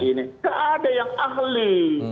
tidak ada yang ahli